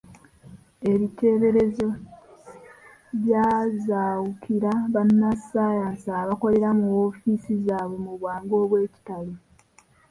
Ebiteeberezo byazaawukira bannassaayansi abakolera mu ofiisi zaabwe mu bwangu obw’ekitalo.